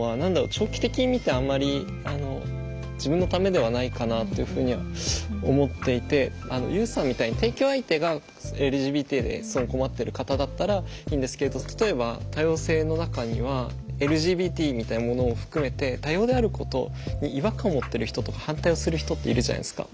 長期的に見てあんまり自分のためではないかなというふうには思っていてＵさんみたいに提供相手がＬＧＢＴですごい困っている方だったらいいんですけど例えば多様性の中にはＬＧＢＴみたいなものを含めて多様であることに違和感を持ってる人とか反対をする人っているじゃないですか。